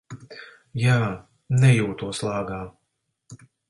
Jā, nejūtos lāgā.